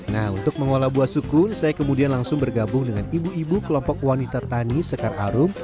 nah untuk mengolah buah sukun saya kemudian langsung bergabung dengan ibu ibu kelompok wanita tani sekar arum